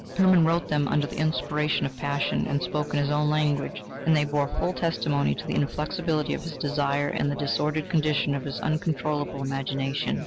Hermann wrote them under the inspiration of passion, and spoke in his own language, and they bore full testimony to the inflexibility of his desire and the disordered condition of his uncontrollable imagination.